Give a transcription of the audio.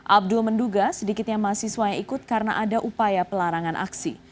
abdul menduga sedikitnya mahasiswa yang ikut karena ada upaya pelarangan aksi